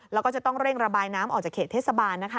แล้วก็จะต้องเร่งระบายน้ำออกจากเขตเทศบาลนะคะ